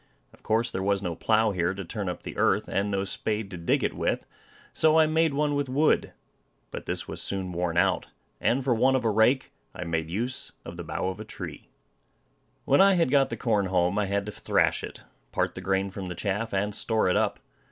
Of course, there was no plough here to turn up the earth, and no spade to dig it with, so I made one with wood; but this was soon worn out, and for want of a rake, I made use of the bough of a tree. When I had got the corn home, I had to thrash it, part the grain from the chaff, and store it up.